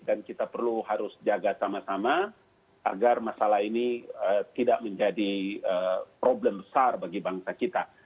dan kita perlu harus jaga sama sama agar masalah ini tidak menjadi problem besar bagi bangsa kita